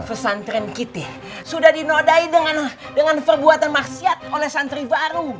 fesantrian kita sudah dinodai dengan perbuatan maksiat oleh santri baru